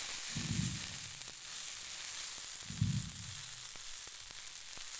Dijo sentirse abandonado por Zapatero en esta legislatura.